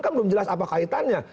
kan belum jelas apa kaitannya